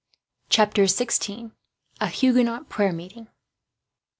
Chapter 16: A Huguenot Prayer Meeting.